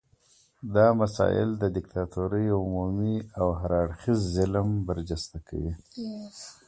دا مسایل د دیکتاتورۍ عمومي او هر اړخیز ظلم برجسته کوي.